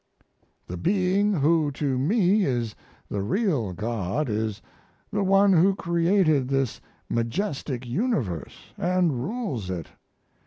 The Being who to me is the real God is the one who created this majestic universe & rules it.